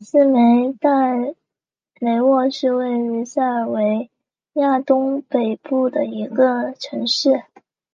斯梅代雷沃是位于塞尔维亚东北部的一个城市。